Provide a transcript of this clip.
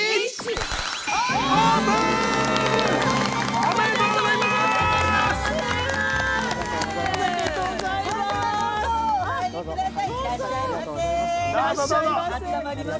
おめでとうございます！